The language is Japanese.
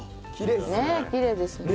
きれいですね。